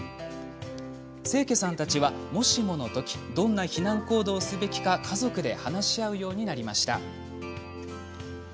清家さんたちは、もしものときどんな避難行動をすべきか家族で話し合うようになりました。